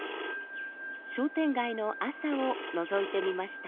商店街の朝をのぞいてみました。